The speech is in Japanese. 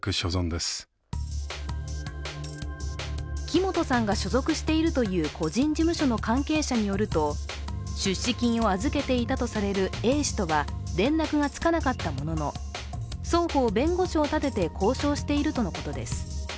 木本さんが所属しているという個人事務所の関係者によると、出資金を預けていたとされるＡ氏とは連絡がつかなったものの、双方、弁護士を立てて交渉しているとのことです。